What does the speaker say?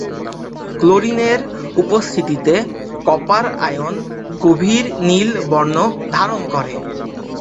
ক্লোরিনের উপস্থিতিতে copper ion গভীর নীল বর্ণ ধারণ করে।